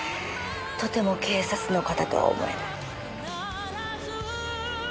とても警察の方とは思えない。